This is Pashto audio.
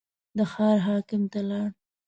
د ښار حاکم ته لاړ.